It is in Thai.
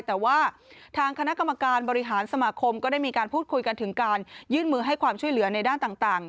แต่ว่าทางคณะกรรมการบริหารสมาคมก็ได้มีการพูดคุยกันถึงการยื่นมือให้ความช่วยเหลือในด้านต่าง